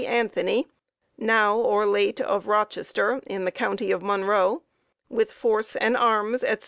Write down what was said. Anthony now or late of Rochester, in the county of Monroe, with force and arms, etc.